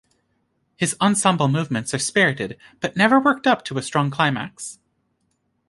His ensemble movements are spirited, but never worked up to a strong climax.